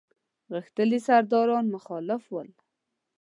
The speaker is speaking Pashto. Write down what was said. غښتلي سرداران مخالف ول.